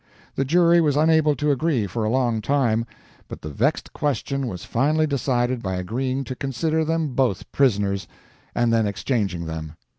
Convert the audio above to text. The jury was unable to agree for a long time; but the vexed question was finally decided by agreeing to consider them both prisoners, and then exchanging them.